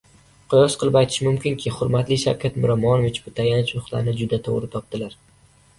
Qiyos qilib aytish mumkinki, hurmatli Shavkat Miromonovich bu tayanch nuqtani juda toʻgʻri topdilar